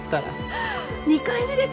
２回目です